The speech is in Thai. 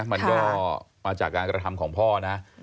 มันก็มาจากการกระทำของพ่อนะ